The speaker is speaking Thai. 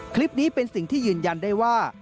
คลิปนี้เป็นสิ่งที่ยืนยันได้ว่า